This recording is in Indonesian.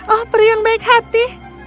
oh peri yang baik hati